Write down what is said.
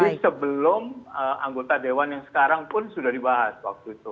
jadi sebelum anggota dewan yang sekarang pun sudah dibahas waktu itu